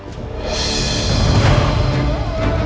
itu langsung membuatku benar yang begitu rezeki